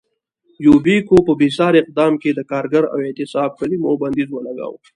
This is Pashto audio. یوبیکو په بېساري اقدام کې د کارګر او اعتصاب کلیمو بندیز ولګاوه.